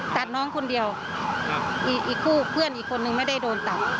ตัดน้องคนเดียวอีกคู่เพื่อนอีกคนนึงไม่ได้โดนตัด